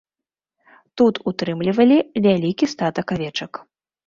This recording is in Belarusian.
Тут утрымлівалі вялікі статак авечак.